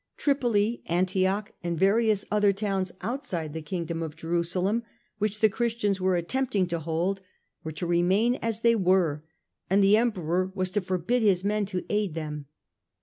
Tripoli, Antioch, and various other towns outside the Kingdom of Jerusalem which the Christians were attempting to hold, were to remain as they were and the Emperor was to forbid his men to aid them.